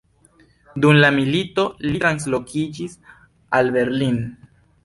Dum la milito li translokiĝis al Berlin.